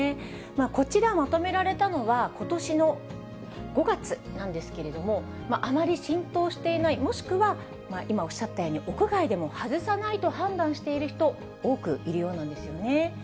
こちらまとめられたのは、ことしの５月なんですけれども、あまり浸透していない、もしくは、今おっしゃったように屋外でも外さないと判断している人、多くいるようなんですよね。